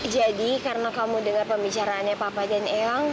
jadi karena kamu dengar pembicaraannya papa dan elang